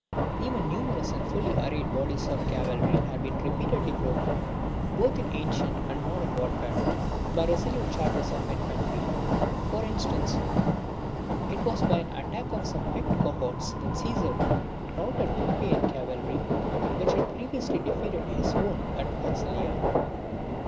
Even numerous and fully arrayed bodies of cavalry have been repeatedly broken, both in ancient and modern warfare, by resolute charges of infantry. For instance, it was by an attack of some picked cohorts that Caesar routed the Pompeian cavalry, which had previously defeated his own at Pharsalia.